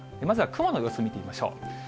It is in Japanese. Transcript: まずは雲の様子を見てみましょう。